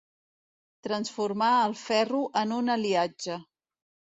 Transformar el ferro en un aliatge.